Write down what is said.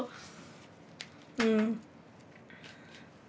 うん。